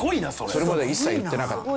それまで一切言ってなかった。